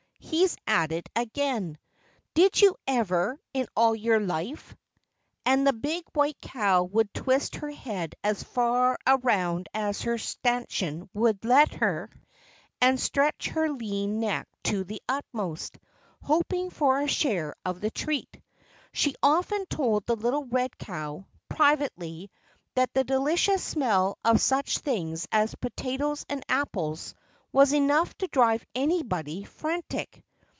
He's at it again! Did you ever, in all your life?" And the big white cow would twist her head as far around as her stanchion would let her, and stretch her lean neck to the utmost, hoping for a share of the treat. She often told the little red cow, privately, that the delicious smell of such things as potatoes and apples was enough to drive anybody frantic.